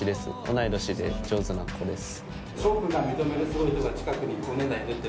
同い年で上手な子です。